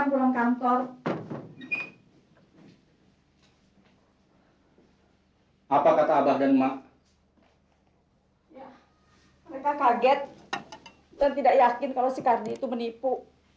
mereka kaget dan tidak yakin kalau si kardi itu menipu